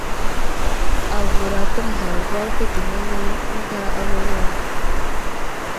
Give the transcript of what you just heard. Avər atəɗ zlavaŋ fetenene ənta awaway.